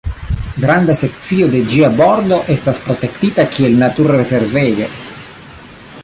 Granda sekcio de ĝia bordo estas protektita kiel naturrezervejo.